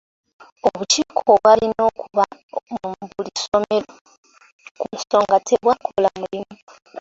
Obukiiko obwalina okuba mu buli ssomero ku nsonga tebwakola mulimu.